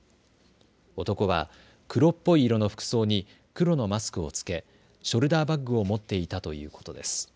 男は黒っぽい色の服装に黒のマスクを着けショルダーバッグを持っていたということです。